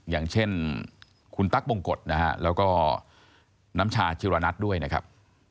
อย่างเช่นคุณตั๊กบงกฎนะฮะแล้วก็น้ำชาชีรณัทด้วยนะครับ